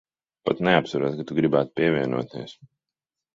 Pat neapsverot, ka tu gribētu pievienoties.